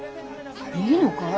いいのかい？